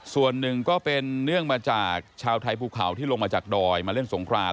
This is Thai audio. ส่วนหนึ่งก็เป็นเนื่องมาจากชาวไทยภูเขาที่ลงมาจากดอยมาเล่นสงคราม